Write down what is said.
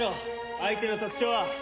相手の特徴は？